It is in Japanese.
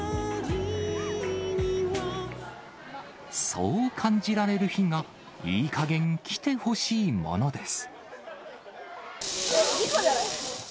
そう感じられる日がいいかげんきてほしいものです。